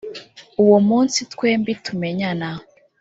uwo munsi twembi tumenyana